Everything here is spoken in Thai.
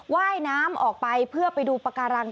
ว่ายน้ำออกไปเพื่อไปดูปากการัง